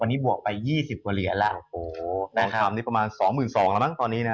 วันนี้บวกไปยี่สิบกว่าเหรียญแล้วโอ้โหนะครับทองคำนี่ประมาณสองหมื่นสองแล้วมั้งตอนนี้นะ